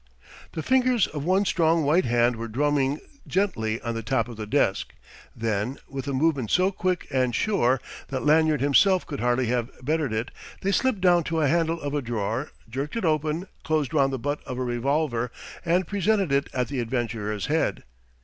The fingers of one strong white hand were drumming gently on the top of the desk; then, with a movement so quick and sure that Lanyard himself could hardly have bettered it, they slipped down to a handle of a drawer, jerked it open, closed round the butt of a revolver, and presented it at the adventurer's head.